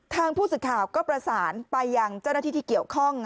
ทางผู้สื่อข่าวก็ประสานไปยังเจ้าหน้าที่ที่เกี่ยวข้อง